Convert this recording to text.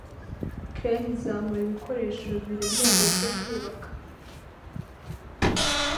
Crane izamura ibikoresho biremereye byo kubaka.